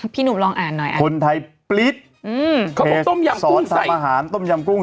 พี่หนูลองอ่านหน่อยคนไทยปลิ๊ดอืมเคสซอสทำอาหารต้มยำกุ้ง